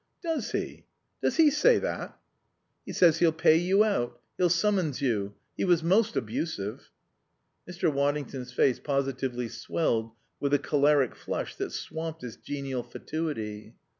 "Does he? Does he say that?" "He says he'll pay you out. He'll summons you. He was most abusive." Mr. Waddington's face positively swelled with the choleric flush that swamped its genial fatuity.